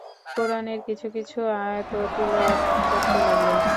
কুরআনের কিছু কিছু আয়াতও তিলাওয়াত করতে লাগলেন।